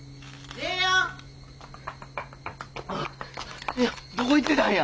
姉やんどこ行ってたんや。